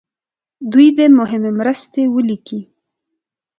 دوی دې مهمې مرستې ولیکي.